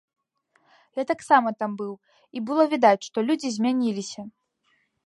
Я таксама там быў, і было відаць, што людзі змяніліся.